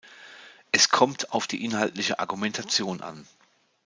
Es kommt auf die inhaltliche Argumentation an.